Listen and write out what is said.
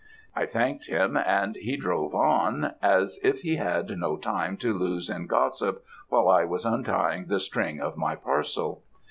"I thanked him, and he drove on, as if he had no time to lose in gossip, while I was untying the string of my parcel.